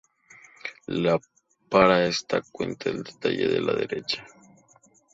La para esta cuenca se detalla en la derecha.